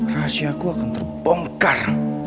rahasiaku akan terbongkar